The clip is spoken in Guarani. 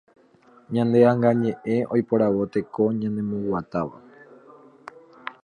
Ñane ãnga ñeʼẽ oiporavo teko ñanemboguatáva.